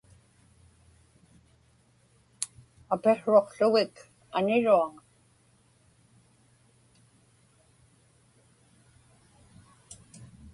Apiqsruqługik aniruaŋa.